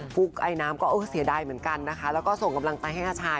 ุ๊กไอน้ำก็เออเสียดายเหมือนกันนะคะแล้วก็ส่งกำลังใจให้น้าชาย